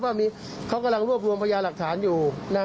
ว่าเขากำลังรวบรวมพยาหลักฐานอยู่นะ